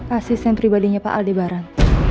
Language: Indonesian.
asisten pribadinya pak aldi barang